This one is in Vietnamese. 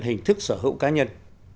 hình thức sở hữu cá nhân